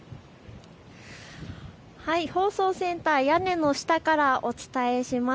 放送センター屋根の下からお伝えします。